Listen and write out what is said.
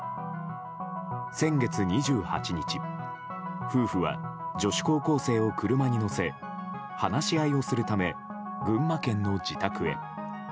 先月２８日夫婦は女子高校生を車に乗せ話し合いをするため群馬県の自宅へ。